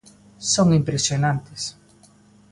Son impresionantes.